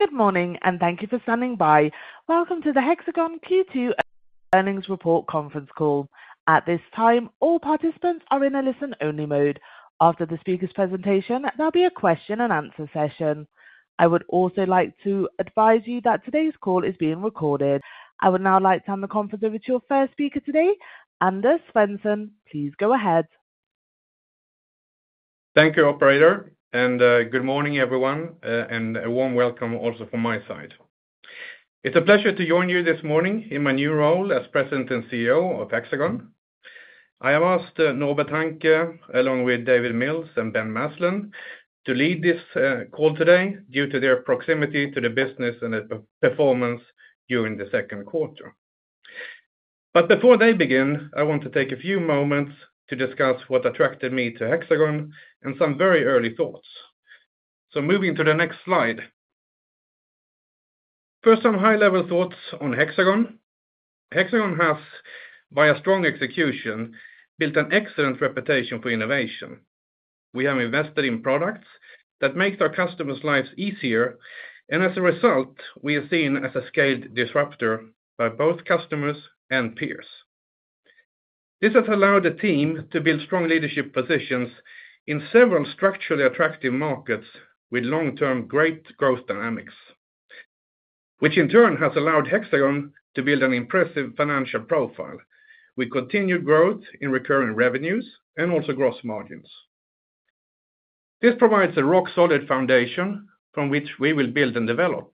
Good morning, and thank you for standing by. Welcome to the Hexagon Q2 Earnings Report conference call. At this time, all participants are in a listen-only mode. After the speaker's presentation, there'll be a question-and-answer session. I would also like to advise you that today's call is being recorded. I would now like to turn the conference over to your first speaker today, Anders Svensson. Please go ahead. Thank you, Operator, and good morning, everyone, and a warm welcome also from my side. It's a pleasure to join you this morning in my new role as President and CEO of Hexagon. I have asked Norbert Hanke, along with David Mills and Ben Maslen, to lead this call today due to their proximity to the business and performance during the second quarter. Before they begin, I want to take a few moments to discuss what attracted me to Hexagon and some very early thoughts. Moving to the next slide. First, some high-level thoughts on Hexagon. Hexagon has, via strong execution, built an excellent reputation for innovation. We have invested in products that make our customers' lives easier, and as a result, we are seen as a scaled disruptor by both customers and peers. This has allowed the team to build strong leadership positions in several structurally attractive markets with long-term great growth dynamics, which in turn has allowed Hexagon to build an impressive financial profile with continued growth in recurring revenues and also gross margins. This provides a rock-solid foundation from which we will build and develop.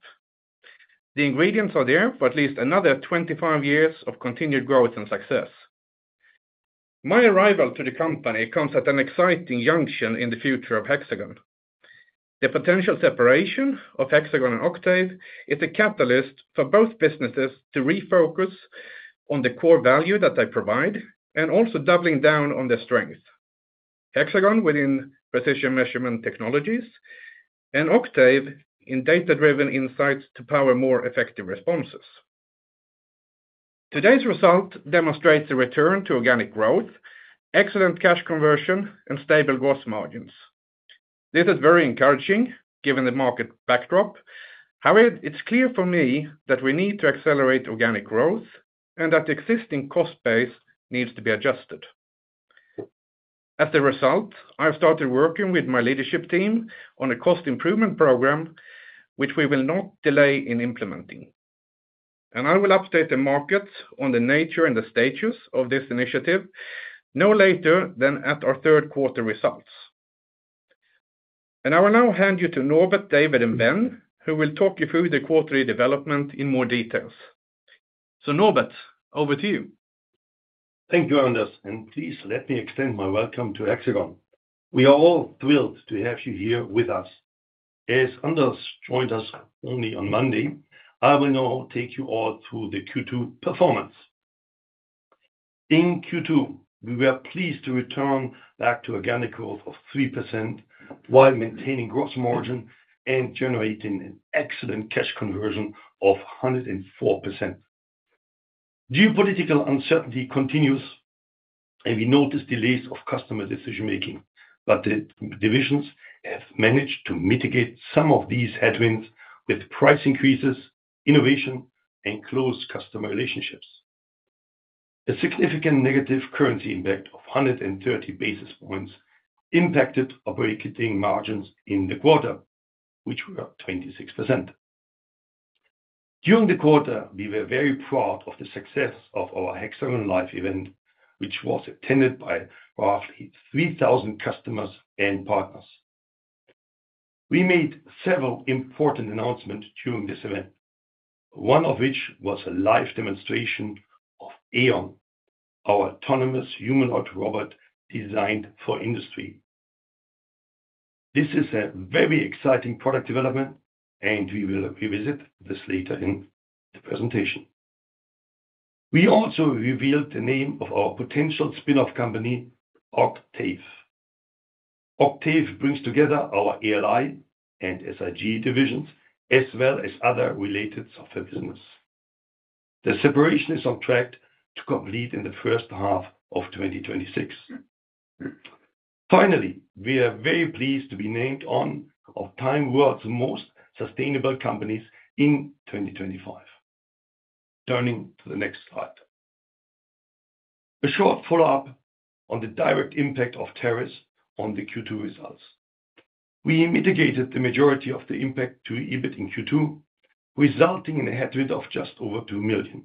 The ingredients are there for at least another 25 years of continued growth and success. My arrival to the company comes at an exciting junction in the future of Hexagon. The potential separation of Hexagon and Occtave is a catalyst for both businesses to refocus on the core value that they provide and also doubling down on their strength. Hexagon within precision measurement technologies and Occtave in data-driven insights to power more effective responses. Today's result demonstrates a return to organic growth, excellent cash conversion, and stable gross margins. This is very encouraging given the market backdrop. However, it's clear for me that we need to accelerate organic growth and that the existing cost base needs to be adjusted. As a result, I have started working with my leadership team on a cost improvement program, which we will not delay in implementing. I will update the markets on the nature and the status of this initiative no later than at our third quarter results. I will now hand you to Norbert, David, and Ben, who will talk you through the quarterly development in more details. Norbert, over to you. Thank you, Anders. Please let me extend my welcome to Hexagon. We are all thrilled to have you here with us. As Anders joined us only on Monday, I will now take you all through the Q2 performance. In Q2, we were pleased to return back to organic growth of 3% while maintaining gross margin and generating an excellent cash conversion of 104%. Geopolitical uncertainty continues. We noticed delays of customer decision-making, but the divisions have managed to mitigate some of these headwinds with price increases, innovation, and close customer relationships. A significant negative currency impact of 130 basis points impacted operating margins in the quarter, which were 26%. During the quarter, we were very proud of the success of our Hexagon Live event, which was attended by roughly 3,000 customers and partners. We made several important announcements during this event. One of which was a live demonstration of AION, our autonomous humanoid robot designed for industry. This is a very exciting product development, and we will revisit this later in the presentation. We also revealed the name of our potential spin-off company, Occtave. Occtave brings together our ELI and SIG divisions as well as other related software business. The separation is on track to complete in the first half of 2026. Finally, we are very pleased to be named one of TimeWorld's most sustainable companies in 2025. Turning to the next slide. A short follow-up on the direct impact of tariffs on the Q2 results. We mitigated the majority of the impact to EBIT in Q2, resulting in a headwind of just over 2 million.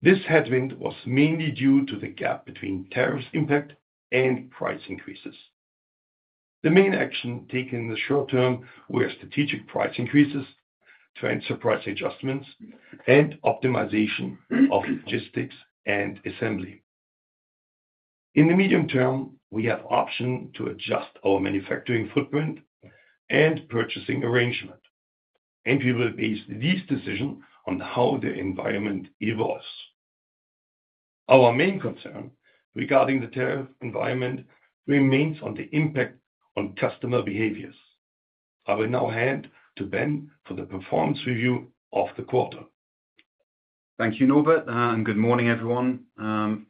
This headwind was mainly due to the gap between tariff impact and price increases. The main action taken in the short term were strategic price increases, transfer price adjustments, and optimization of logistics and assembly. In the medium term, we have the option to adjust our manufacturing footprint and purchasing arrangement. We will base these decisions on how the environment evolves. Our main concern regarding the tariff environment remains on the impact on customer behaviors. I will now hand to Ben for the performance review of the quarter. Thank you, Norbert, and good morning, everyone.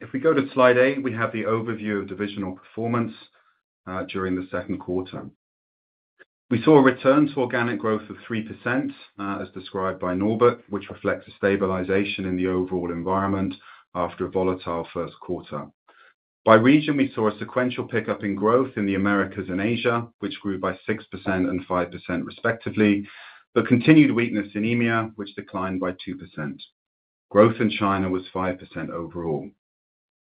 If we go to slide A, we have the overview of divisional performance during the second quarter. We saw a return to organic growth of 3%, as described by Norbert, which reflects a stabilization in the overall environment after a volatile first quarter. By region, we saw a sequential pickup in growth in the Americas and Asia, which grew by 6% and 5%, respectively, but continued weakness in EMEA, which declined by 2%. Growth in China was 5% overall.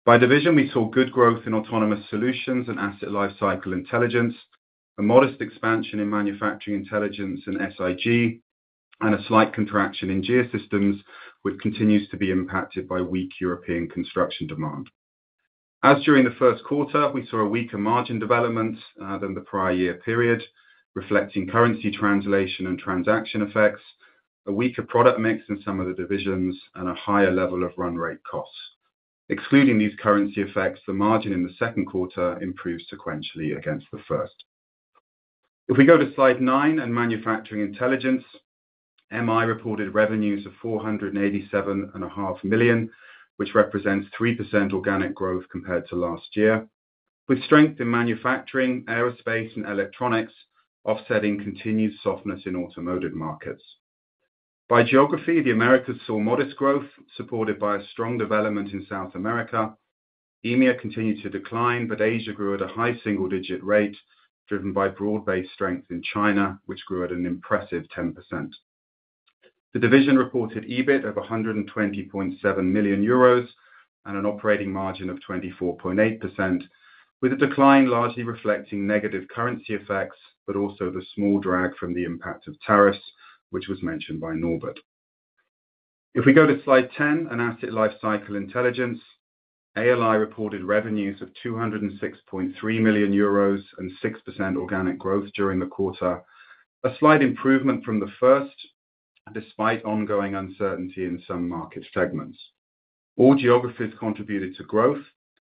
By division, we saw good growth in autonomous solutions and asset lifecycle intelligence, a modest expansion in manufacturing intelligence and SIG, and a slight contraction in Geosystems, which continues to be impacted by weak European construction demand. As during the first quarter, we saw a weaker margin development than the prior year period, reflecting currency translation and transaction effects, a weaker product mix in some of the divisions, and a higher level of run rate costs. Excluding these currency effects, the margin in the second quarter improved sequentially against the first. If we go to slide 9 and manufacturing intelligence. MI reported revenues of 487.5 million, which represents 3% organic growth compared to last year, with strength in manufacturing, aerospace, and electronics offsetting continued softness in automotive markets. By geography, the Americas saw modest growth supported by a strong development in South America. EMEA continued to decline, but Asia grew at a high single-digit rate driven by broad-based strength in China, which grew at an impressive 10%. The division reported EBIT of 120.7 million euros and an operating margin of 24.8%, with a decline largely reflecting negative currency effects, but also the small drag from the impact of tariffs, which was mentioned by Norbert. If we go to slide 10 and asset lifecycle intelligence, ALI reported revenues of 206.3 million euros and 6% organic growth during the quarter, a slight improvement from the first. Despite ongoing uncertainty in some market segments. All geographies contributed to growth,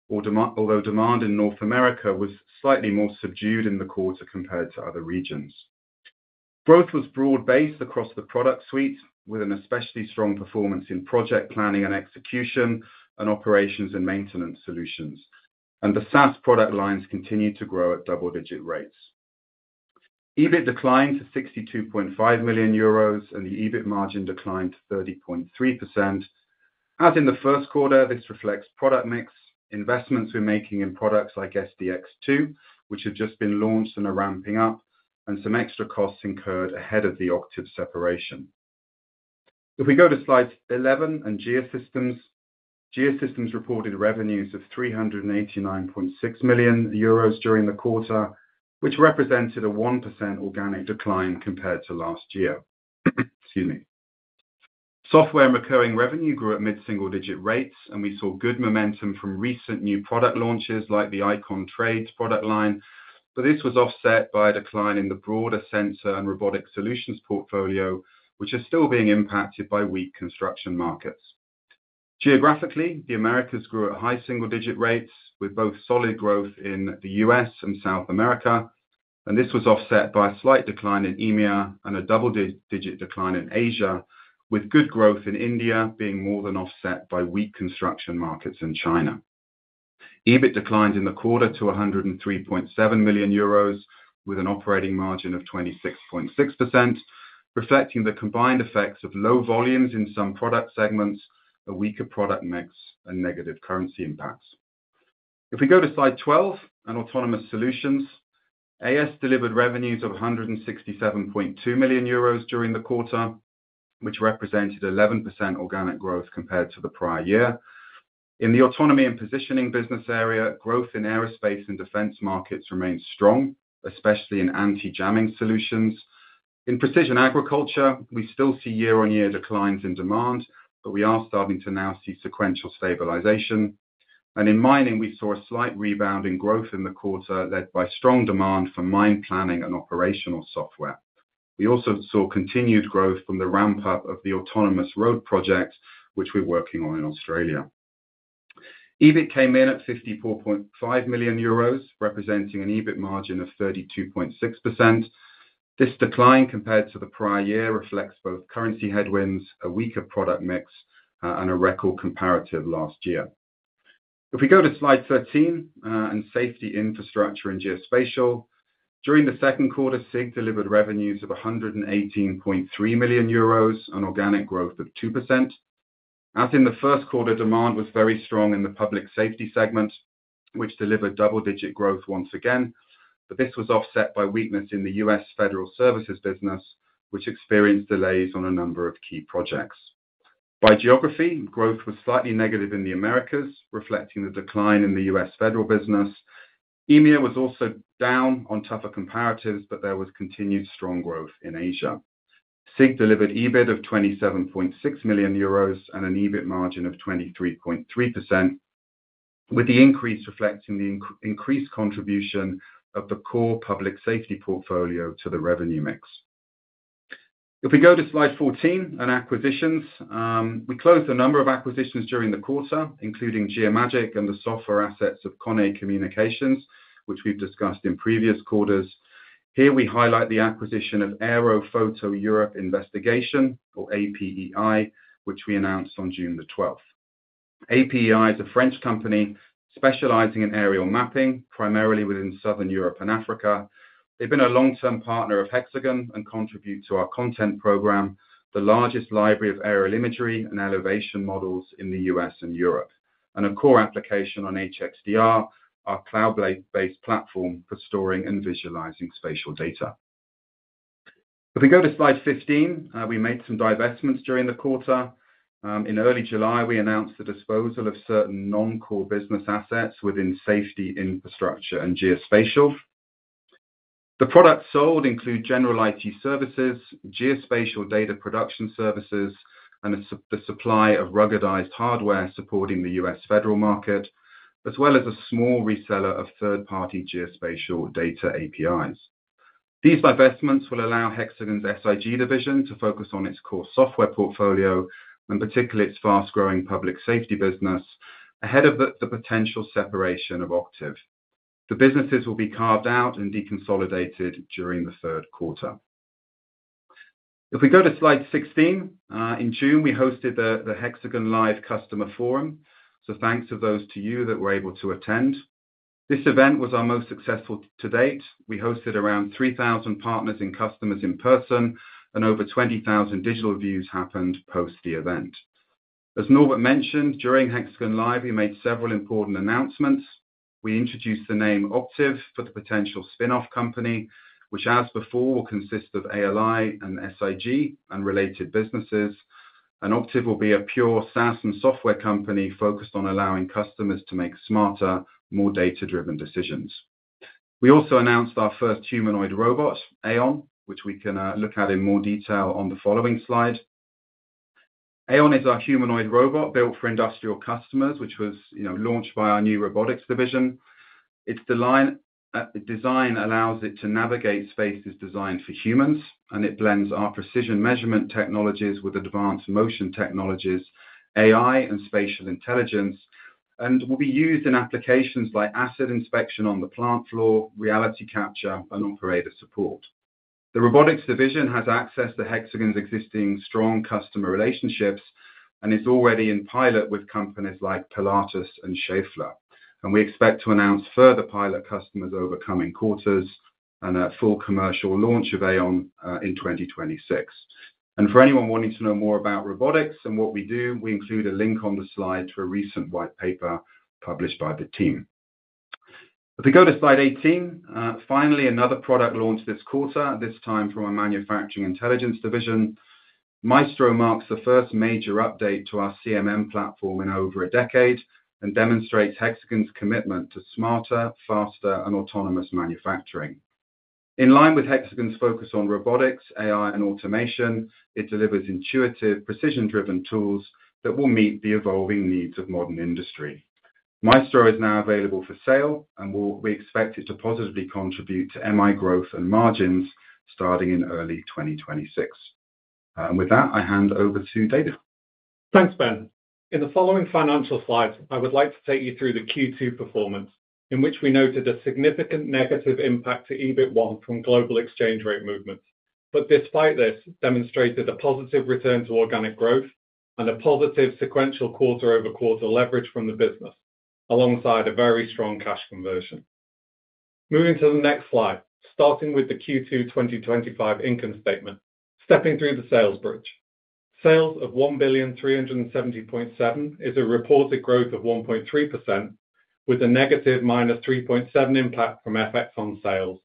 although demand in North America was slightly more subdued in the quarter compared to other regions. Growth was broad-based across the product suite, with an especially strong performance in project planning and execution and operations and maintenance solutions. The SaaS product lines continued to grow at double-digit rates. EBIT declined to 62.5 million euros, and the EBIT margin declined to 30.3%. As in the first quarter, this reflects product mix, investments we're making in products like SDX2, which have just been launched and are ramping up, and some extra costs incurred ahead of the Occtave separation. If we go to slides 11 and Geosystems, Geosystems reported revenues of 399.6 million euros during the quarter, which represented a 1% organic decline compared to last year. Excuse me. Software and recurring revenue grew at mid-single-digit rates, and we saw good momentum from recent new product launches like the ICON Trades product line, but this was offset by a decline in the broader sensor and robotic solutions portfolio, which are still being impacted by weak construction markets. Geographically, the Americas grew at high single-digit rates, with both solid growth in the U.S. and South America, and this was offset by a slight decline in EMEA and a double-digit decline in Asia, with good growth in India being more than offset by weak construction markets in China. EBIT declined in the quarter to 103.7 million euros, with an operating margin of 26.6%, reflecting the combined effects of low volumes in some product segments, a weaker product mix, and negative currency impacts. If we go to slide 12 and autonomous solutions, AS delivered revenues of 167.2 million euros during the quarter, which represented 11% organic growth compared to the prior year. In the autonomy and positioning business area, growth in aerospace and defense markets remained strong, especially in anti-jamming solutions. In precision agriculture, we still see year-on-year declines in demand, but we are starting to now see sequential stabilization. In mining, we saw a slight rebound in growth in the quarter led by strong demand for mine planning and operational software. We also saw continued growth from the ramp-up of the autonomous road project, which we are working on in Australia. EBIT came in at 54.5 million euros, representing an EBIT margin of 32.6%. This decline compared to the prior year reflects both currency headwinds, a weaker product mix, and a record comparative last year. If we go to slide 13 and safety infrastructure and geospatial, during the second quarter, SIG delivered revenues of 118.3 million euros and organic growth of 2%. As in the first quarter, demand was very strong in the public safety segment, which delivered double-digit growth once again, but this was offset by weakness in the U.S. federal services business, which experienced delays on a number of key projects. By geography, growth was slightly negative in the Americas, reflecting the decline in the U.S. federal business. EMEA was also down on tougher comparatives, but there was continued strong growth in Asia. SIG delivered EBIT of 27.6 million euros and an EBIT margin of 23.3%, with the increase reflecting the increased contribution of the core public safety portfolio to the revenue mix. If we go to slide 14 and acquisitions, we closed a number of acquisitions during the quarter, including Geomagic and the software assets of Cognex Communications, which we have discussed in previous quarters. Here we highlight the acquisition of Aero Photo Europe Investigation, or APEI, which we announced on June the 12th. APEI is a French company specializing in aerial mapping, primarily within Southern Europe and Africa. They've been a long-term partner of Hexagon and contribute to our content program, the largest library of aerial imagery and elevation models in the U.S. and Europe, and a core application on HXDR, our cloud-based platform for storing and visualizing spatial data. If we go to slide 15, we made some divestments during the quarter. In early July, we announced the disposal of certain non-core business assets within safety infrastructure and geospatial. The products sold include general IT services, geospatial data production services, and the supply of ruggedized hardware supporting the U.S. federal market, as well as a small reseller of third-party geospatial data APIs. These divestments will allow Hexagon's SIG division to focus on its core software portfolio and particularly its fast-growing public safety business ahead of the potential separation of Occtave. The businesses will be carved out and deconsolidated during the third quarter. If we go to slide 16, in June, we hosted the Hexagon Live Customer Forum. Thanks to those of you that were able to attend. This event was our most successful to date. We hosted around 3,000 partners and customers in person, and over 20,000 digital views happened post the event. As Norbert mentioned, during Hexagon Live, we made several important announcements. We introduced the name Occtave for the potential spin-off company, which, as before, will consist of ALI and SIG and related businesses. Occtave will be a pure SaaS and software company focused on allowing customers to make smarter, more data-driven decisions. We also announced our first humanoid robot, AION, which we can look at in more detail on the following slide. AION is our humanoid robot built for industrial customers, which was launched by our new robotics division. Its design allows it to navigate spaces designed for humans, and it blends our precision measurement technologies with advanced motion technologies, AI, and spatial intelligence, and will be used in applications like asset inspection on the plant floor, reality capture, and operator support. The robotics division has access to Hexagon's existing strong customer relationships and is already in pilot with companies like Pilatus and Schaeffler. We expect to announce further pilot customers over coming quarters and a full commercial launch of AION in 2026. For anyone wanting to know more about robotics and what we do, we include a link on the slide to a recent white paper published by the team. If we go to slide 18, finally, another product launched this quarter, this time from our Manufacturing Intelligence division. Maestro marks the first major update to our CMM platform in over a decade and demonstrates Hexagon's commitment to smarter, faster, and autonomous manufacturing. In line with Hexagon's focus on robotics, AI, and automation, it delivers intuitive, precision-driven tools that will meet the evolving needs of modern industry. Maestro is now available for sale, and we expect it to positively contribute to MI growth and margins starting in early 2026. With that, I hand over to David. Thanks, Ben. In the following financial slides, I would like to take you through the Q2 performance, in which we noted a significant negative impact to EBIT1 from global exchange rate movements, but despite this, demonstrated a positive return to organic growth and a positive sequential quarter-over-quarter leverage from the business, alongside a very strong cash conversion. Moving to the next slide, starting with the Q2 2025 income statement, stepping through the sales bridge. Sales of 1,370.7 million is a reported growth of 1.3%, with a negative -3.7% impact from FX on sales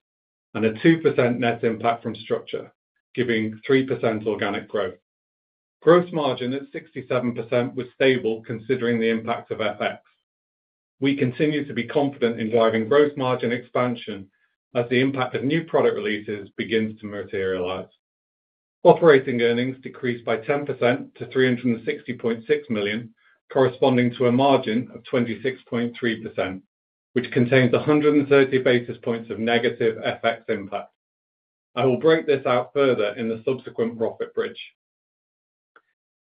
and a 2% net impact from structure, giving 3% organic growth. Gross margin at 67% was stable considering the impact of FX. We continue to be confident in driving gross margin expansion as the impact of new product releases begins to materialize. Operating earnings decreased by 10% to 360.6 million, corresponding to a margin of 26.3%, which contains 130 basis points of negative FX impact. I will break this out further in the subsequent profit bridge.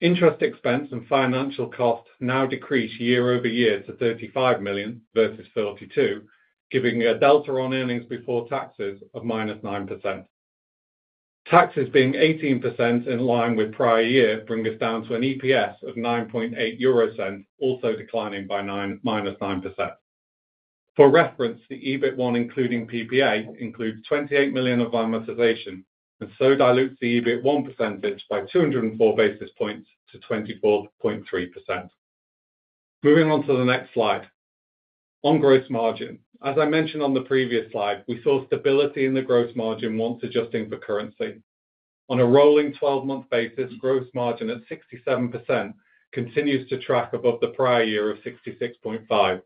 Interest expense and financial costs now decrease year over year to 35 million versus 32, giving a delta on earnings before taxes of -9%. Taxes being 18% in line with prior year bring us down to an EPS of 0.098, also declining by -9%. For reference, the EBIT1, including PPA, includes 28 million of amortization and so dilutes the EBIT1 percentage by 204 basis points to 24.3%. Moving on to the next slide. On gross margin, as I mentioned on the previous slide, we saw stability in the gross margin once adjusting for currency. On a rolling 12-month basis, gross margin at 67% continues to track above the prior year of 66.5%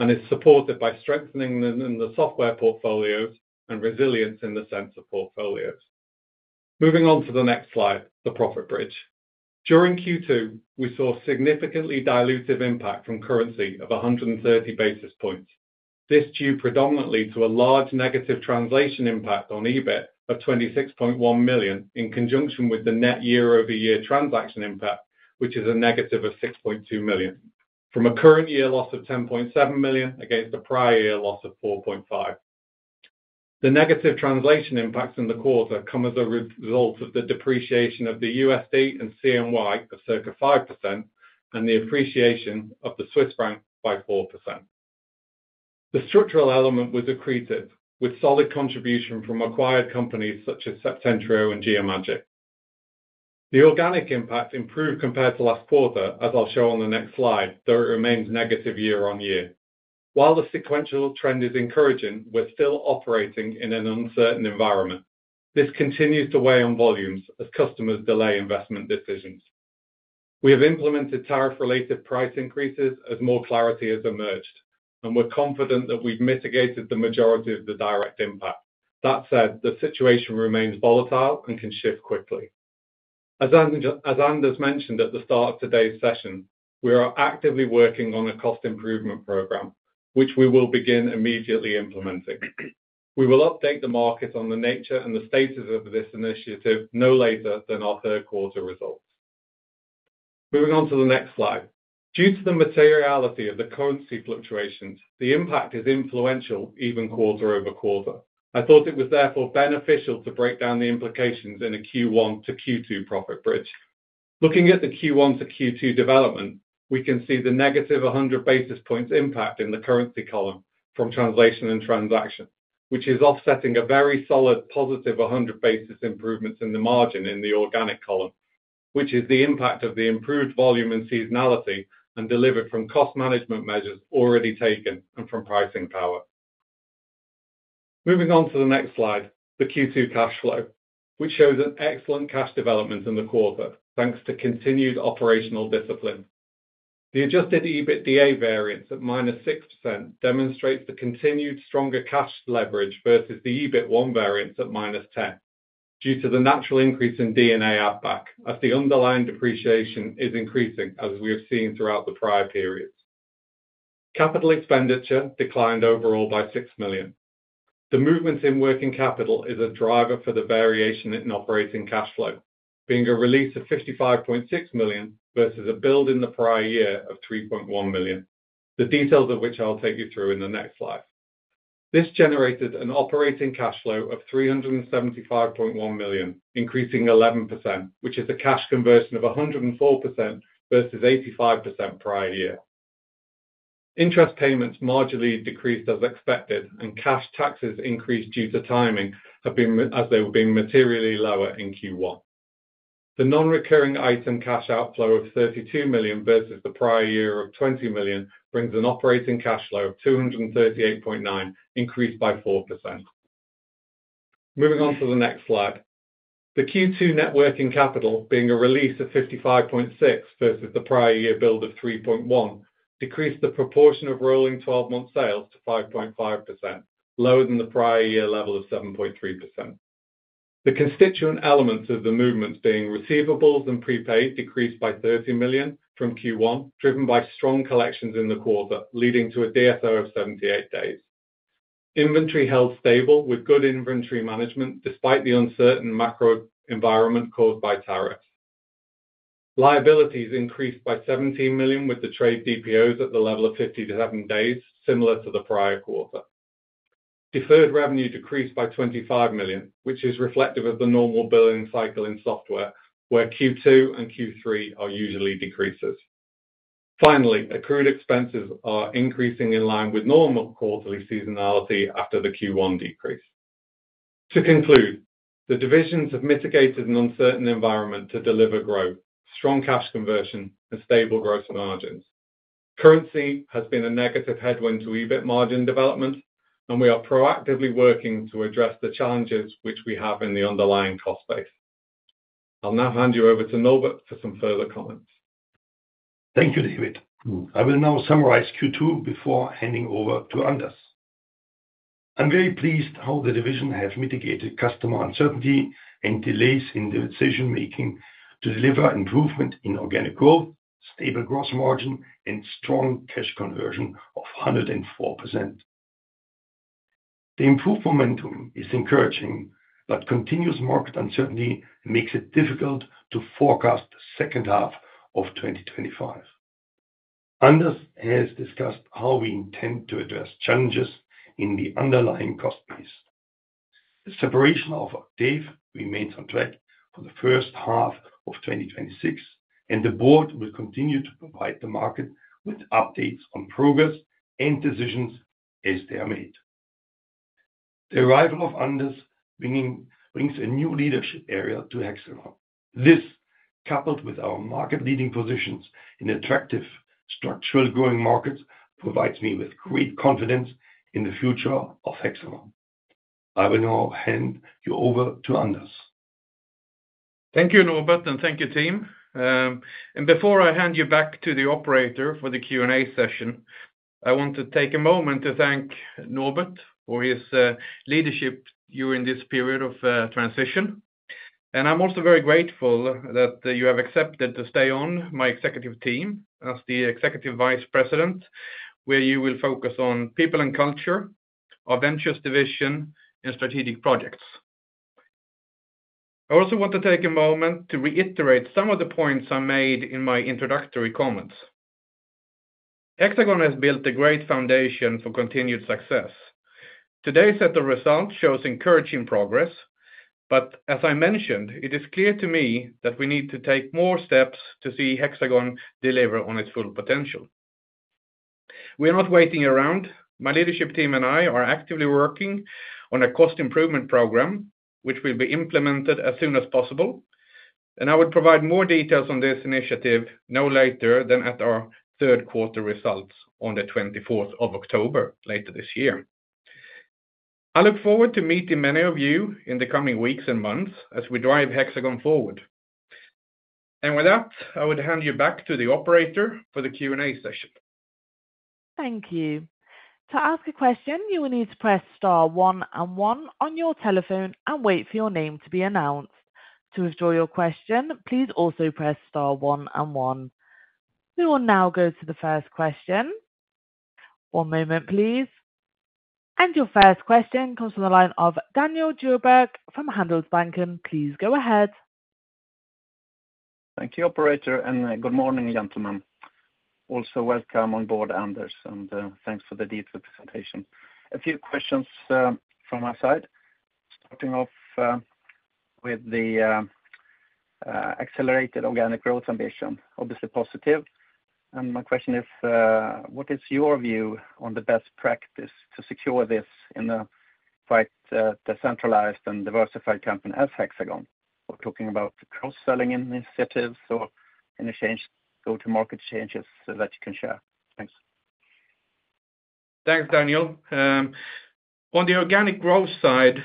and is supported by strengthening in the software portfolios and resilience in the sensor portfolios. Moving on to the next slide, the profit bridge. During Q2, we saw a significantly dilutive impact from currency of 130 basis points. This due predominantly to a large negative translation impact on EBIT of 26.1 million in conjunction with the net year-over-year transaction impact, which is a negative of 6.2 million, from a current year loss of 10.7 million against a prior year loss of 4.5 million. The negative translation impacts in the quarter come as a result of the depreciation of the USD and CNY of circa 5% and the appreciation of the Swiss franc by 4%. The structural element was accretive, with solid contribution from acquired companies such as Septentrio and Geomagic. The organic impact improved compared to last quarter, as I'll show on the next slide, though it remains negative year on year. While the sequential trend is encouraging, we're still operating in an uncertain environment. This continues to weigh on volumes as customers delay investment decisions. We have implemented tariff-related price increases as more clarity has emerged, and we're confident that we've mitigated the majority of the direct impact. That said, the situation remains volatile and can shift quickly. As Anders mentioned at the start of today's session, we are actively working on a cost improvement program, which we will begin immediately implementing. We will update the market on the nature and the status of this initiative no later than our third quarter results. Moving on to the next slide. Due to the materiality of the currency fluctuations, the impact is influential even quarter over quarter. I thought it was therefore beneficial to break down the implications in a Q1 to Q2 profit bridge. Looking at the Q1 to Q2 development, we can see the negative 100 basis points impact in the currency column from translation and transaction, which is offsetting a very solid positive 100 basis points improvement in the margin in the organic column, which is the impact of the improved volume and seasonality and delivered from cost management measures already taken and from pricing power. Moving on to the next slide, the Q2 cash flow, which shows an excellent cash development in the quarter thanks to continued operational discipline. The adjusted EBITDA variance at minus 6% demonstrates the continued stronger cash leverage versus the EBIT1 variance at minus 10%, due to the natural increase in DNA outback as the underlying depreciation is increasing, as we have seen throughout the prior periods. Capital expenditure declined overall by 6 million. The movement in working capital is a driver for the variation in operating cash flow, being a release of 55.6 million versus a build in the prior year of 3.1 million, the details of which I'll take you through in the next slide. This generated an operating cash flow of 375.1 million, increasing 11%, which is a cash conversion of 104% versus 85% prior year. Interest payments marginally decreased as expected, and cash taxes increased due to timing as they were being materially lower in Q1. The non-recurring item cash outflow of 32 million versus the prior year of 20 million brings an operating cash flow of 238.9 million, increased by 4%. Moving on to the next slide. The Q2 net working capital, being a release of 55.6 million versus the prior year build of 3.1 million, decreased the proportion of rolling 12-month sales to 5.5%, lower than the prior year level of 7.3%. The constituent elements of the movement being receivables and prepaid decreased by 30 million from Q1, driven by strong collections in the quarter, leading to a DSO of 78 days. Inventory held stable with good inventory management despite the uncertain macro environment caused by tariffs. Liabilities increased by 17 million with the trade DPOs at the level of 57 days, similar to the prior quarter. Deferred revenue decreased by 25 million, which is reflective of the normal billing cycle in software, where Q2 and Q3 are usually decreases. Finally, accrued expenses are increasing in line with normal quarterly seasonality after the Q1 decrease. To conclude, the divisions have mitigated an uncertain environment to deliver growth, strong cash conversion, and stable gross margins. Currency has been a negative headwind to EBIT margin development, and we are proactively working to address the challenges which we have in the underlying cost base. I'll now hand you over to Norbert for some further comments. Thank you, David. I will now summarize Q2 before handing over to Anders. I'm very pleased how the division has mitigated customer uncertainty and delays in the decision-making to deliver improvement in organic growth, stable gross margin, and strong cash conversion of 104%. The improved momentum is encouraging, but continuous market uncertainty makes it difficult to forecast the second half of 2025. Anders has discussed how we intend to address challenges in the underlying cost base. The separation of Occtave remains on track for the first half of 2026, and the board will continue to provide the market with updates on progress and decisions as they are made. The arrival of Anders brings a new leadership area to Hexagon. This, coupled with our market-leading positions in attractive, structurally growing markets, provides me with great confidence in the future of Hexagon. I will now hand you over to Anders. Thank you, Norbert, and thank you, team. Before I hand you back to the operator for the Q&A session, I want to take a moment to thank Norbert for his leadership during this period of transition. I am also very grateful that you have accepted to stay on my executive team as the Executive Vice President, where you will focus on people and culture, our ventures division, and strategic projects. I also want to take a moment to reiterate some of the points I made in my introductory comments. Hexagon has built a great foundation for continued success. Today's set of results shows encouraging progress, but as I mentioned, it is clear to me that we need to take more steps to see Hexagon deliver on its full potential. We are not waiting around. My leadership team and I are actively working on a cost improvement program, which will be implemented as soon as possible. I will provide more details on this initiative no later than at our third quarter results on the 24th of October later this year. I look forward to meeting many of you in the coming weeks and months as we drive Hexagon forward. With that, I would hand you back to the operator for the Q&A session. Thank you. To ask a question, you will need to press star one and one on your telephone and wait for your name to be announced. To withdraw your question, please also press star one and one. We will now go to the first question. One moment, please. Your first question comes from the line of Daniel Djurberg from Handelsbanken. Please go ahead. Thank you, operator, and good morning, gentlemen. Also welcome on board, Anders, and thanks for the deep representation. A few questions from our side, starting off. With the accelerated organic growth ambition, obviously positive. My question is, what is your view on the best practice to secure this in a quite decentralized and diversified company as Hexagon? We're talking about cross-selling initiatives or any go to market changes that you can share. Thanks. Thanks, Daniel. On the organic growth side,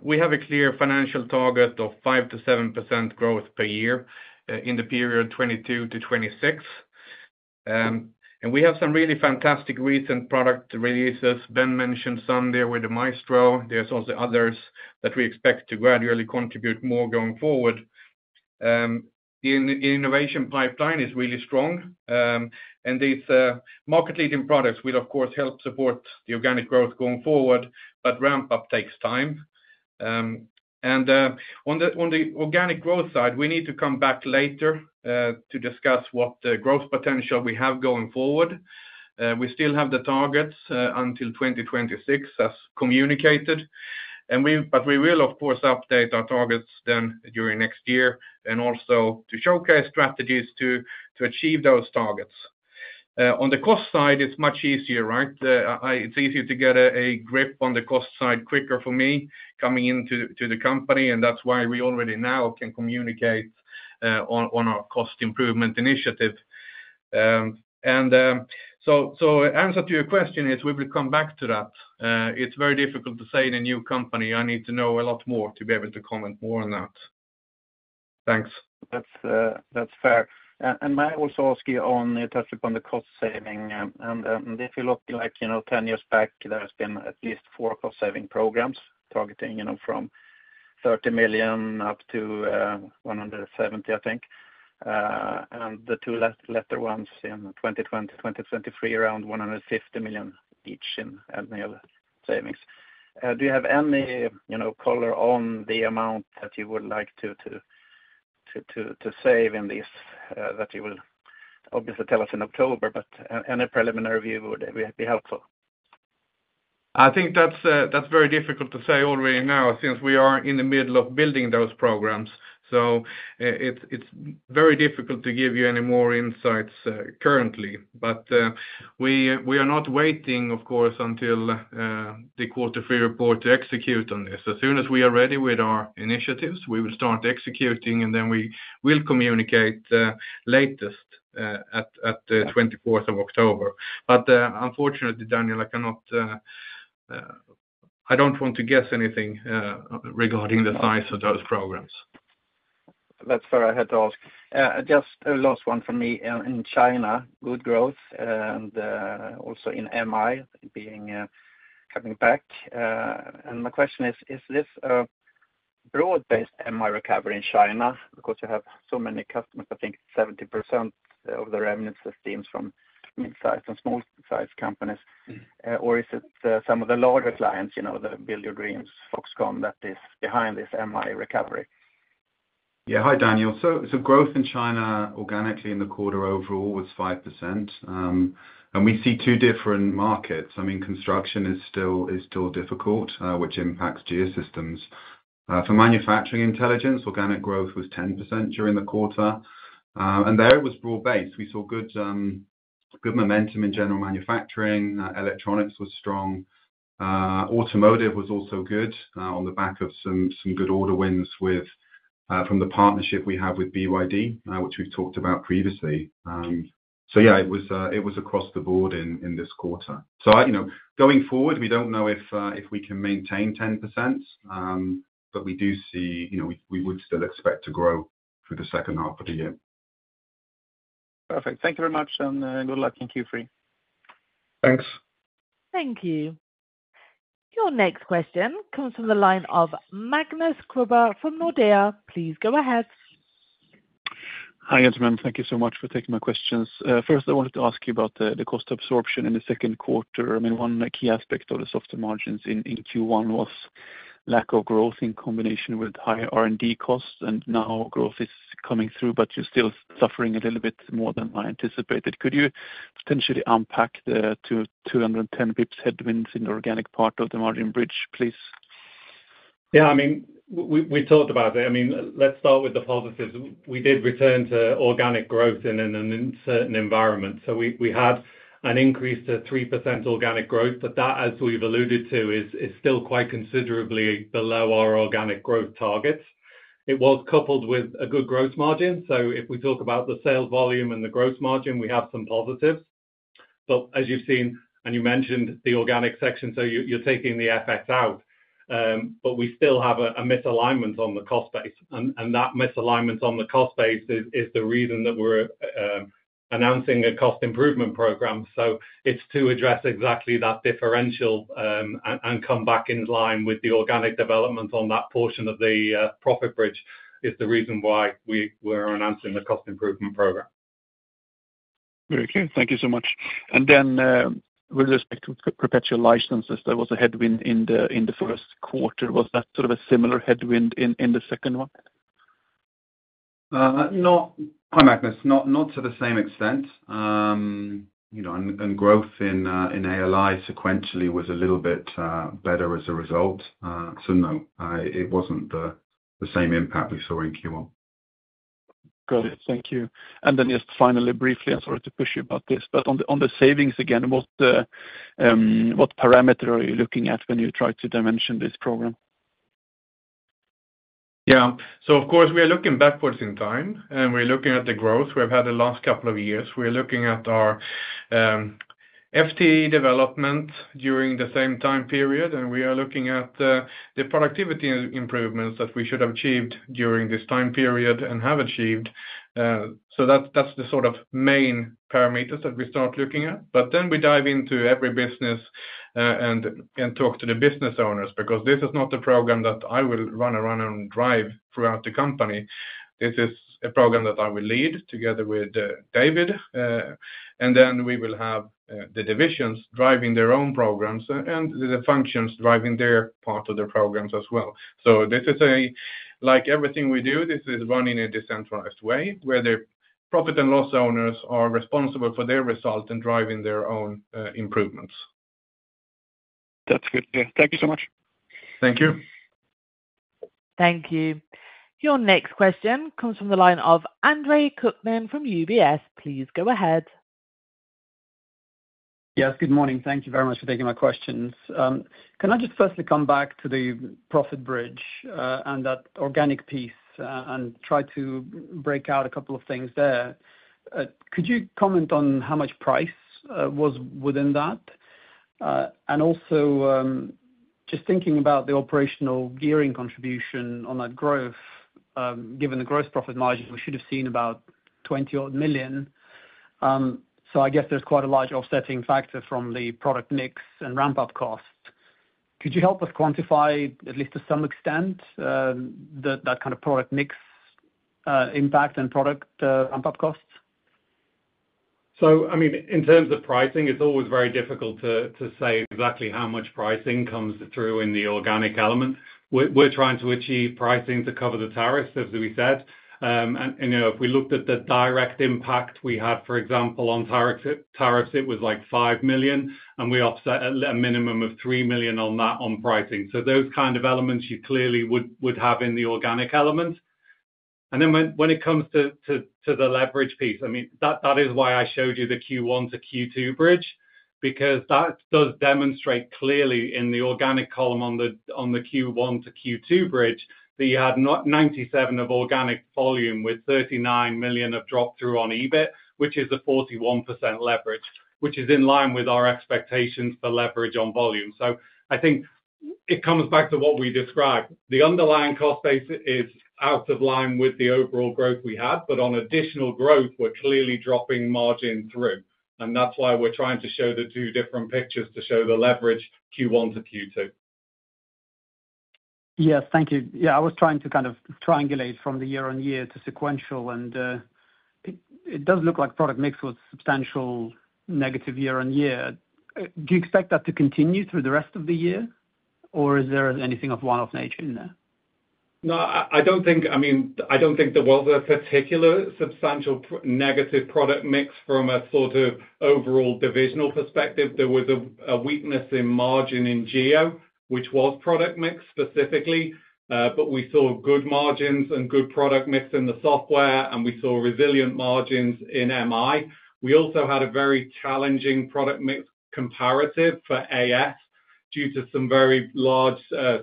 we have a clear financial target of 5%-7% growth per year in the period 2022 to 2026. And we have some really fantastic recent product releases. Ben mentioned some there with the Maestro. There's also others that we expect to gradually contribute more going forward. The innovation pipeline is really strong. And these market-leading products will, of course, help support the organic growth going forward, but ramp-up takes time. On the organic growth side, we need to come back later to discuss what the growth potential we have going forward. We still have the targets until 2026, as communicated. We will, of course, update our targets then during next year and also to showcase strategies to achieve those targets. On the cost side, it's much easier, right? It's easier to get a grip on the cost side quicker for me coming into the company, and that's why we already now can communicate on our cost improvement initiative. The answer to your question is we will come back to that. It's very difficult to say in a new company. I need to know a lot more to be able to comment more on that. Thanks. That's fair. May I also ask you to touch upon the cost saving? If you look like 10 years back, there have been at least four cost-saving programs targeting from 30 million up to 170, I think. The two latter ones in 2020, 2023, around 150 million each in annual savings. Do you have any color on the amount that you would like to save in this that you will obviously tell us in October? Any preliminary view would be helpful. I think that's very difficult to say already now since we are in the middle of building those programs. It's very difficult to give you any more insights currently. We are not waiting, of course, until the quarter three report to execute on this. As soon as we are ready with our initiatives, we will start executing, and then we will communicate the latest at the 24th of October. Unfortunately, Daniel, I cannot. I don't want to guess anything regarding the size of those programs. That's fair. I had to ask. Just a last one for me in China, good growth, and also in MI being. Coming back. My question is, is this a broad-based MI recovery in China because you have so many customers? I think 70% of the revenue sustains from mid-sized and small-sized companies. Or is it some of the larger clients, the BYD, Foxconn, that is behind this MI recovery? Yeah, hi, Daniel. Growth in China organically in the quarter overall was 5%. We see two different markets. I mean, construction is still difficult, which impacts Geosystems. For manufacturing intelligence, organic growth was 10% during the quarter. There it was broad-based. We saw good momentum in general manufacturing. Electronics was strong. Automotive was also good on the back of some good order wins from the partnership we have with BYD, which we've talked about previously. It was across the board in this quarter. Going forward, we don't know if we can maintain 10%. We do see we would still expect to grow through the second half of the year. Perfect. Thank you very much, and good luck in Q3. Thanks. Thank you. Your next question comes from the line of Magnus Kruber from Nordea. Please go ahead. Hi, gentlemen. Thank you so much for taking my questions. First, I wanted to ask you about the cost absorption in the second quarter. I mean, one key aspect of the soft margins in Q1 was lack of growth in combination with higher R&D costs, and now growth is coming through, but you're still suffering a little bit more than I anticipated. Could you potentially unpack the 210 basis points headwinds in the organic part of the margin bridge, please? Yeah, I mean, we talked about it. I mean, let's start with the positives. We did return to organic growth in an uncertain environment. We had an increase to 3% organic growth, but that, as we've alluded to, is still quite considerably below our organic growth targets. It was coupled with a good gross margin. If we talk about the sales volume and the gross margin, we have some positives. As you've seen, and you mentioned the organic section, you're taking the FX out. We still have a misalignment on the cost base. That misalignment on the cost base is the reason that we're announcing a cost improvement program. It's to address exactly that differential and come back in line with the organic development on that portion of the profit bridge. That is the reason why we're announcing the cost improvement program. Okay, thank you so much. With respect to perpetual licenses, there was a headwind in the first quarter. Was that sort of a similar headwind in the second one? No, hi Magnus, not to the same extent. Growth in ALI sequentially was a little bit better as a result. No, it wasn't the same impact we saw in Q1. Good, thank you. Then just finally, briefly, I'm sorry to push you about this, but on the savings again, what parameter are you looking at when you try to dimension this program? Yeah. Of course, we are looking backwards in time, and we're looking at the growth we've had the last couple of years. We're looking at our FTE development during the same time period, and we are looking at the productivity improvements that we should have achieved during this time period and have achieved. That's the sort of main parameters that we start looking at. We dive into every business and talk to the business owners because this is not the program that I will run around and drive throughout the company. This is a program that I will lead together with David. We will have the divisions driving their own programs and the functions driving their part of the programs as well. This is like everything we do. This is running in a decentralized way where the profit and loss owners are responsible for their result and driving their own improvements. That's good. Thank you so much. Thank you. Thank you. Your next question comes from the line of Andrei Kukushkin from UBS. Please go ahead. Yes, good morning. Thank you very much for taking my questions. Can I just firstly come back to the profit bridge and that organic piece and try to break out a couple of things there? Could you comment on how much price was within that? Also, just thinking about the operational gearing contribution on that growth, given the gross profit margins, we should have seen about 20 million. I guess there is quite a large offsetting factor from the product mix and ramp-up costs. Could you help us quantify at least to some extent that kind of product mix impact and product ramp-up costs? So I mean, in terms of pricing, it's always very difficult to say exactly how much pricing comes through in the organic element. We're trying to achieve pricing to cover the tariffs, as we said. If we looked at the direct impact we had, for example, on tariffs, it was like 5 million, and we offset a minimum of 3 million on that on pricing. Those kind of elements you clearly would have in the organic element. When it comes to the leverage piece, I mean, that is why I showed you the Q1 to Q2 bridge, because that does demonstrate clearly in the organic column on the Q1 to Q2 bridge that you had 97 million of organic volume with 39 million of drop-through on EBIT, which is a 41% leverage, which is in line with our expectations for leverage on volume. I think it comes back to what we described. The underlying cost base is out of line with the overall growth we had, but on additional growth, we're clearly dropping margin through. That's why we're trying to show the two different pictures to show the leverage Q1 to Q2. Yeah, thank you. Yeah, I was trying to kind of triangulate from the year-on-year to sequential, and it does look like product mix was substantial negative year-on-year. Do you expect that to continue through the rest of the year, or is there anything of one-off nature in there? No, I don't think, I mean, I don't think there was a particular substantial negative product mix from a sort of overall divisional perspective. There was a weakness in margin in Geo, which was product mix specifically. But we saw good margins and good product mix in the software, and we saw resilient margins in MI. We also had a very challenging product mix comparative for AS due to some very large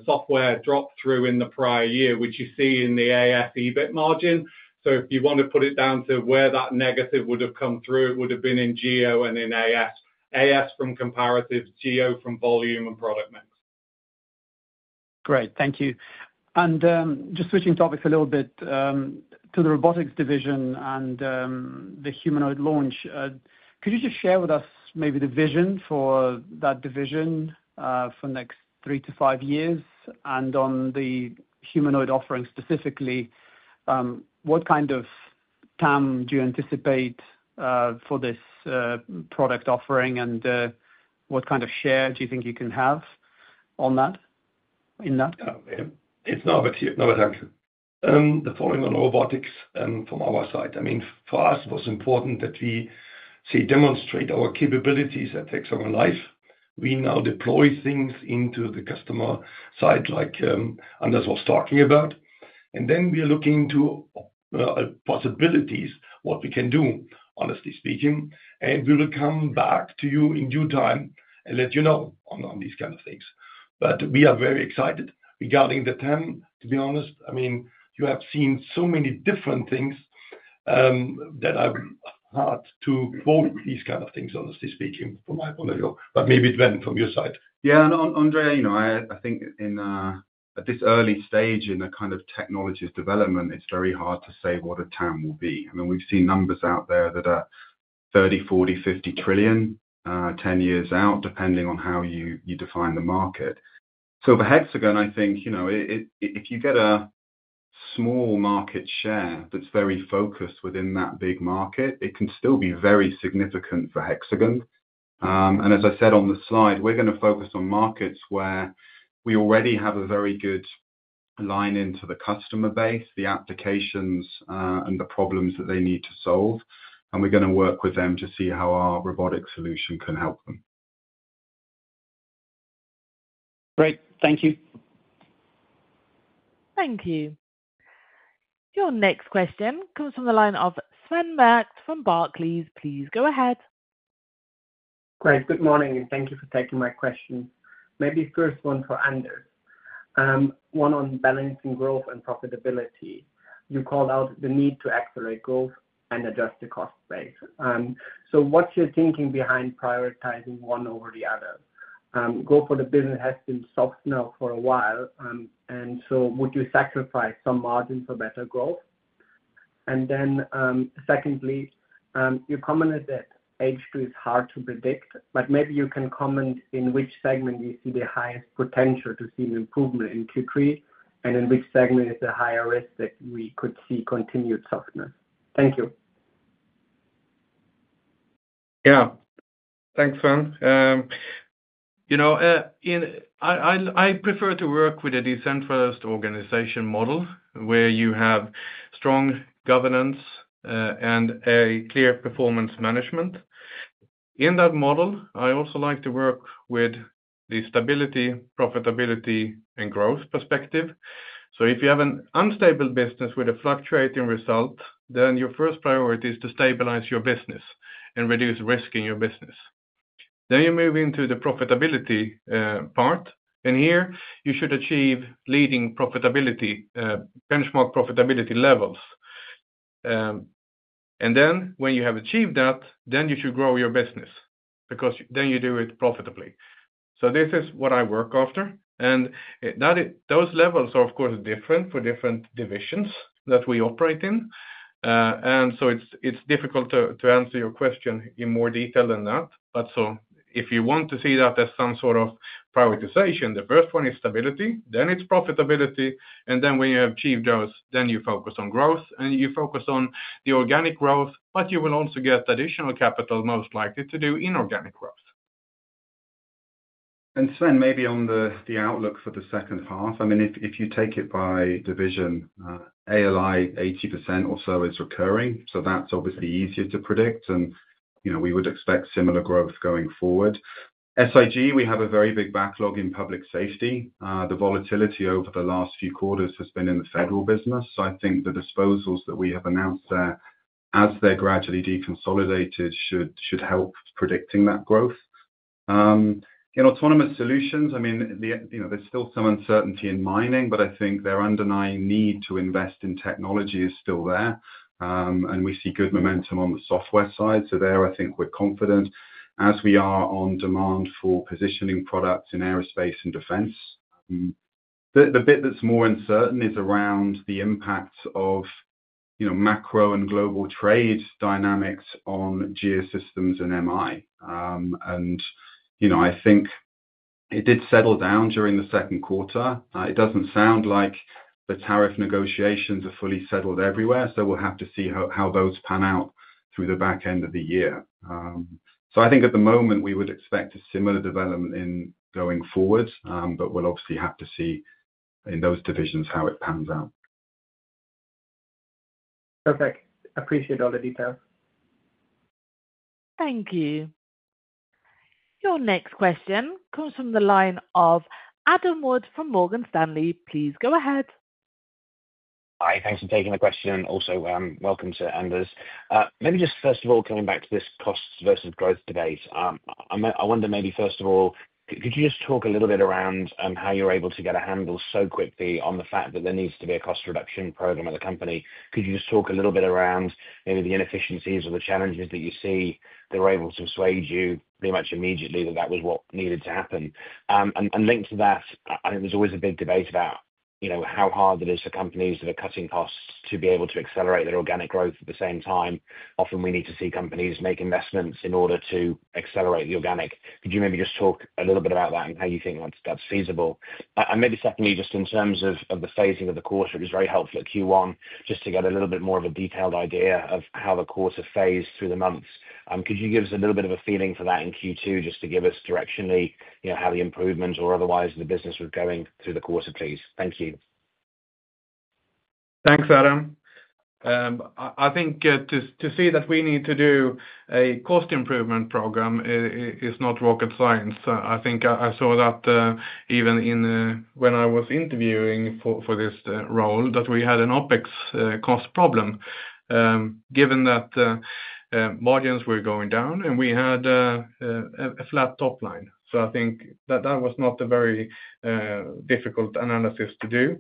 software drop-through in the prior year, which you see in the AS EBIT margin. If you want to put it down to where that negative would have come through, it would have been in Geo and in AS. AS from comparative, Geo from volume, and product mix. Great. Thank you. Just switching topics a little bit to the robotics division and the humanoid launch, could you just share with us maybe the vision for that division for the next three to five years? On the humanoid offering specifically, what kind of TAM do you anticipate for this product offering, and what kind of share do you think you can have on that? It's not a question. The following on robotics from our side. I mean, for us, it was important that we demonstrate our capabilities at ExoLife. We now deploy things into the customer side, like Anders was talking about. We are looking into possibilities, what we can do, honestly speaking. We will come back to you in due time and let you know on these kind of things. We are very excited regarding the TAM, to be honest. I mean, you have seen so many different things. I have had to quote these kind of things, honestly speaking, from my point of view. Maybe it went from your side. Yeah, and Andrea, I think at this early stage in the kind of technology's development, it's very hard to say what a TAM will be. I mean, we've seen numbers out there that are 30, 40, 50 trillion 10 years out, depending on how you define the market. For Hexagon, I think if you get a small market share that's very focused within that big market, it can still be very significant for Hexagon. As I said on the slide, we're going to focus on markets where we already have a very good line into the customer base, the applications, and the problems that they need to solve. We are going to work with them to see how our robotics solution can help them. Great. Thank you. Thank you. Your next question comes from the line of Sven Merkt from Barclays. Please go ahead. Great. Good morning. Thank you for taking my questions. Maybe first one for Anders. One on balancing growth and profitability. You called out the need to accelerate growth and adjust the cost base. What's your thinking behind prioritizing one over the other? Growth for the business has been soft now for a while. Would you sacrifice some margin for better growth? Secondly, you commented that H2 is hard to predict, but maybe you can comment in which segment you see the highest potential to see improvement in Q3 and in which segment is the higher risk that we could see continued softness. Thank you. Yeah. Thanks, Sven. I prefer to work with a decentralized organization model where you have strong governance and a clear performance management. In that model, I also like to work with the stability, profitability, and growth perspective. If you have an unstable business with a fluctuating result, then your first priority is to stabilize your business and reduce risk in your business. You move into the profitability part. Here, you should achieve leading benchmark profitability levels. When you have achieved that, you should grow your business because then you do it profitably. This is what I work after. Those levels are, of course, different for different divisions that we operate in. It is difficult to answer your question in more detail than that. If you want to see that as some sort of prioritization, the first one is stability, then it is profitability. When you have achieved those, you focus on growth, and you focus on the organic growth, but you will also get additional capital most likely to do inorganic growth. Sven, maybe on the outlook for the second half, if you take it by division. ALI, 80% or so is recurring. That's obviously easier to predict. We would expect similar growth going forward. SIG, we have a very big backlog in public safety. The volatility over the last few quarters has been in the federal business. I think the disposals that we have announced there, as they're gradually deconsolidated, should help predicting that growth. In autonomous solutions, there's still some uncertainty in mining, but I think the underlying need to invest in technology is still there. We see good momentum on the software side. There, I think we're confident, as we are on demand for positioning products in aerospace and defense. The bit that's more uncertain is around the impact of macro and global trade dynamics on Geosystems and MI. I think it did settle down during the second quarter. It doesn't sound like the tariff negotiations are fully settled everywhere. We'll have to see how those pan out through the back end of the year. At the moment, we would expect a similar development going forward, but we'll obviously have to see in those divisions how it pans out. Perfect. Appreciate all the details. Thank you. Your next question comes from the line of Adam Wood from Morgan Stanley. Please go ahead. Hi. Thanks for taking the question. Also, welcome to Anders. Maybe just first of all, coming back to this costs versus growth debate, I wonder maybe first of all, could you just talk a little bit around how you're able to get a handle so quickly on the fact that there needs to be a cost reduction program at the company? Could you just talk a little bit around maybe the inefficiencies or the challenges that you see that were able to persuade you pretty much immediately that that was what needed to happen? Linked to that, I think there's always a big debate about how hard it is for companies that are cutting costs to be able to accelerate their organic growth at the same time. Often, we need to see companies make investments in order to accelerate the organic. Could you maybe just talk a little bit about that and how you think that's feasible? Maybe secondly, just in terms of the phasing of the course, which is very helpful at Q1, just to get a little bit more of a detailed idea of how the course has phased through the months. Could you give us a little bit of a feeling for that in Q2, just to give us directionally how the improvements or otherwise the business was going through the course of things? Thank you. Thanks, Adam. I think to see that we need to do a cost improvement program is not rocket science. I think I saw that even when I was interviewing for this role, that we had an OpEx cost problem. Given that, margins were going down and we had a flat top line. I think that was not a very difficult analysis to do.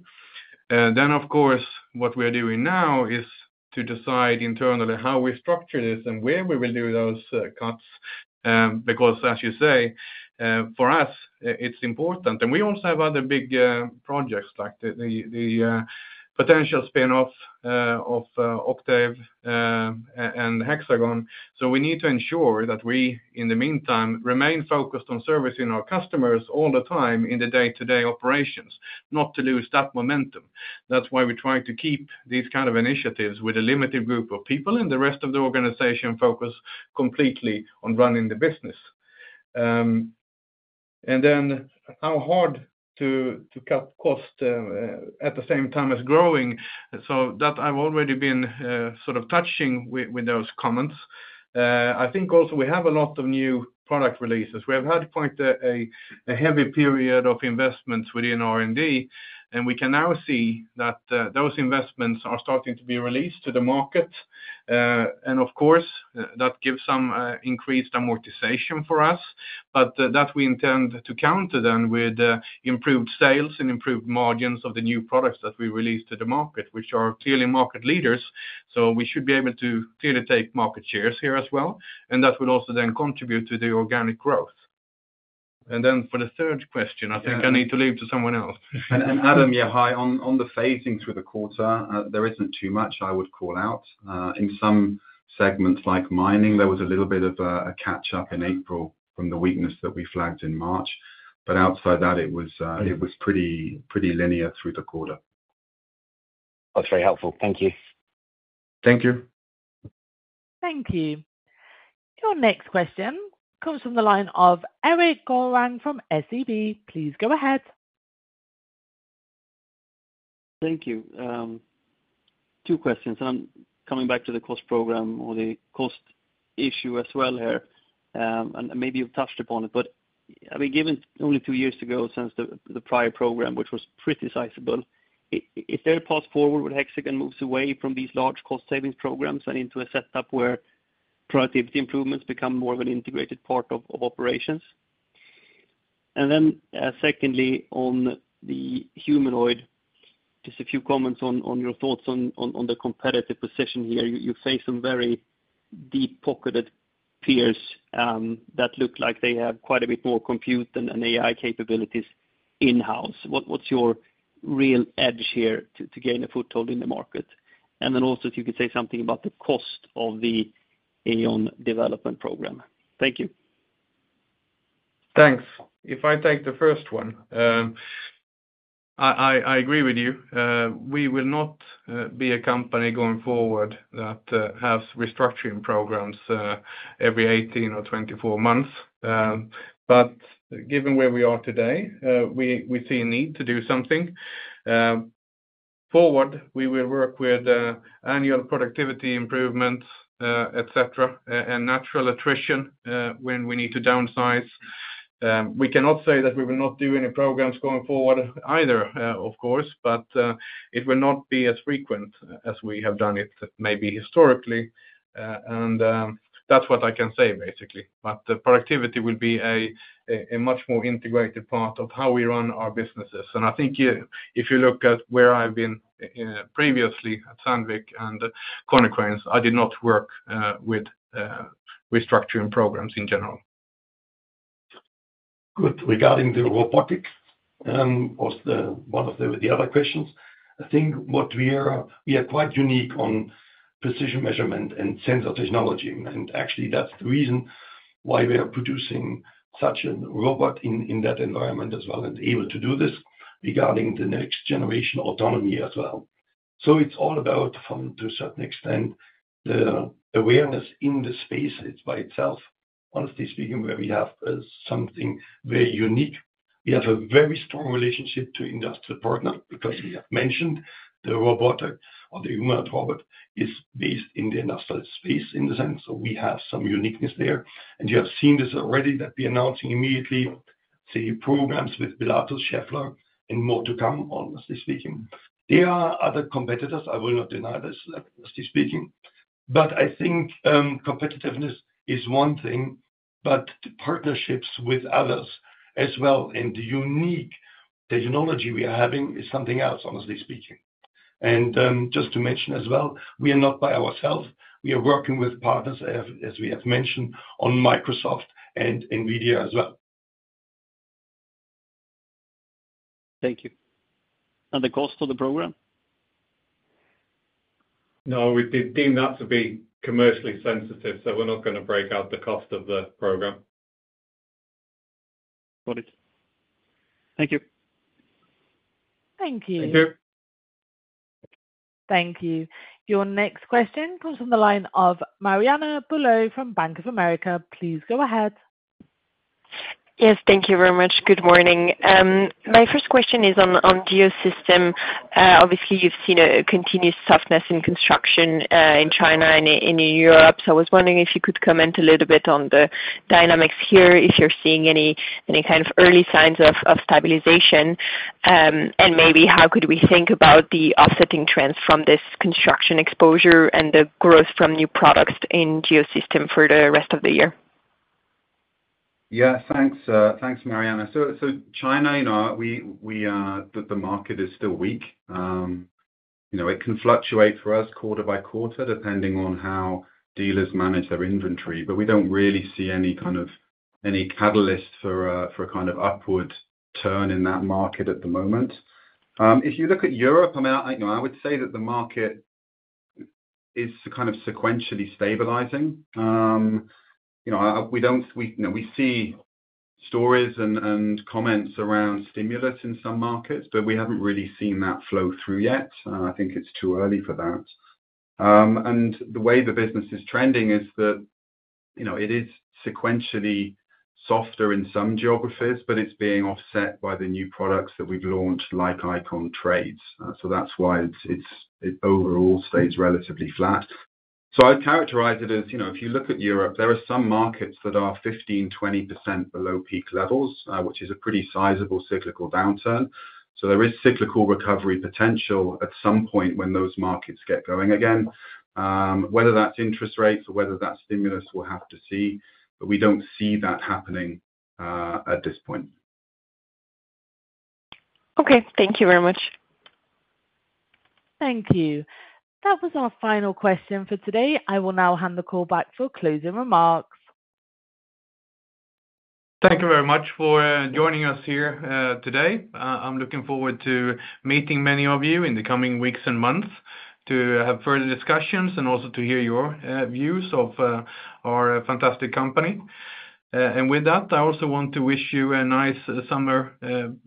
Of course, what we are doing now is to decide internally how we structure this and where we will do those cuts. Because, as you say, for us, it's important. We also have other big projects like the potential spin-off of Occtave and Hexagon. We need to ensure that we, in the meantime, remain focused on servicing our customers all the time in the day-to-day operations, not to lose that momentum. That is why we're trying to keep these kind of initiatives with a limited group of people, and the rest of the organization focuses completely on running the business. Then how hard to cut costs at the same time as growing. I have already been sort of touching with those comments. I think also we have a lot of new product releases. We have had quite a heavy period of investments within R&D, and we can now see that those investments are starting to be released to the market. Of course, that gives some increased amortization for us, but that we intend to counter then with improved sales and improved margins of the new products that we release to the market, which are clearly market leaders. We should be able to clearly take market shares here as well. That will also then contribute to the organic growth. For the third question, I think I need to leave to someone else. Adam, yeah, hi. On the phasing through the quarter, there is not too much I would call out. In some segments like mining, there was a little bit of a catch-up in April from the weakness that we flagged in March. Outside that, it was pretty linear through the quarter. That's very helpful. Thank you. Thank you. Thank you. Your next question comes from the line of Erik Golrang from SEB. Please go ahead. Thank you. Two questions. I'm coming back to the cost program or the cost issue as well here. Maybe you've touched upon it, but I mean, given only two years ago since the prior program, which was pretty sizable, is there a path forward where Hexagon moves away from these large cost-savings programs and into a setup where productivity improvements become more of an integrated part of operations? Secondly, on the humanoid, just a few comments on your thoughts on the competitive position here. You face some very deep-pocketed peers that look like they have quite a bit more compute and AI capabilities in-house. What's your real edge here to gain a foothold in the market? Also, if you could say something about the cost of the AION development program. Thank you. Thanks. If I take the first one. I agree with you. We will not be a company going forward that has restructuring programs every 18 or 24 months. Given where we are today, we see a need to do something. Forward, we will work with annual productivity improvements, etc., and natural attrition when we need to downsize. We cannot say that we will not do any programs going forward either, of course, but it will not be as frequent as we have done it maybe historically. That's what I can say, basically. Productivity will be a much more integrated part of how we run our businesses. I think if you look at where I've been previously at Sandvik and Cognex Communications, I did not work with restructuring programs in general. Good. Regarding the robotic. Was one of the other questions. I think what we are quite unique on precision measurement and sensor technology. Actually, that's the reason why we are producing such a robot in that environment as well and able to do this regarding the next generation autonomy as well. It is all about, to a certain extent, the awareness in the space by itself, honestly speaking, where we have something very unique. We have a very strong relationship to industrial partners because, as we have mentioned, the robotic or the humanoid robot is based in the industrial space in the sense. We have some uniqueness there. You have seen this already that we are announcing immediately, say, programs with Pilatus, Schaeffler, and more to come, honestly speaking. There are other competitors. I will not deny this, honestly speaking. I think competitiveness is one thing, but the partnerships with others as well and the unique technology we are having is something else, honestly speaking. Just to mention as well, we are not by ourselves. We are working with partners, as we have mentioned, on Microsoft and NVIDIA as well. Thank you. What is the cost of the program? No, we deem that to be commercially sensitive, so we're not going to break out the cost of the program. Got it. Thank you. Thank you. Thank you. Thank you. Your next question comes from the line of Mariana Bullo from Bank of America. Please go ahead. Yes, thank you very much. Good morning. My first question is on Geosystem. Obviously, you've seen a continued softness in construction in China and in Europe. I was wondering if you could comment a little bit on the dynamics here, if you're seeing any kind of early signs of stabilization. Maybe how could we think about the offsetting trends from this construction exposure and the growth from new products in Geosystem for the rest of the year? Yeah, thanks, Mariana. China, the market is still weak. It can fluctuate for us quarter by quarter depending on how dealers manage their inventory. We do not really see any kind of catalyst for a kind of upward turn in that market at the moment. If you look at Europe, I mean, I would say that the market is kind of sequentially stabilizing. We see stories and comments around stimulus in some markets, but we have not really seen that flow through yet. I think it is too early for that. The way the business is trending is that it is sequentially softer in some geographies, but it is being offset by the new products that we have launched like ICON Trades. That is why it overall stays relatively flat. I would characterize it as if you look at Europe, there are some markets that are 15%-20% below peak levels, which is a pretty sizable cyclical downturn. There is cyclical recovery potential at some point when those markets get going again. Whether that is interest rates or whether that is stimulus, we will have to see. We do not see that happening at this point. Okay. Thank you very much. Thank you. That was our final question for today. I will now hand the call back for closing remarks. Thank you very much for joining us here today. I'm looking forward to meeting many of you in the coming weeks and months to have further discussions and also to hear your views of our fantastic company. With that, I also want to wish you a nice summer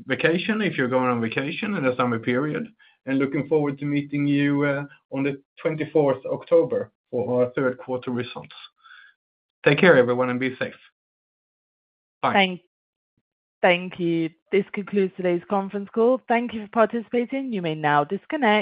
vacation if you're going on vacation in the summer period. I am looking forward to meeting you on the 24th of October for our third quarter results. Take care, everyone, and be safe. Bye. Thanks. Thank you. This concludes today's conference call. Thank you for participating. You may now disconnect.